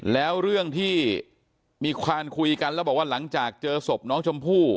แล้วเรื่องที่มีความคุยกันแล้วบอกว่าหลังจากเจอศพน้องชมพู่